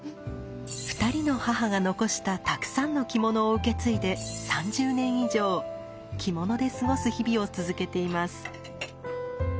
２人の母が残したたくさんの着物を受け継いで３０年以上着物で過ごす日々を続けています。